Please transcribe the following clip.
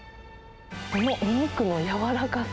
このお肉の柔らかさ。